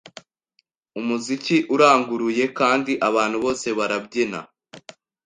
Umuziki uranguruye kandi abantu bose barabyina